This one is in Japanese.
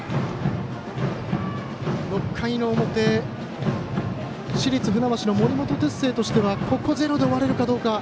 ６回の表、市立船橋の森本哲星としてはここゼロで終われるか。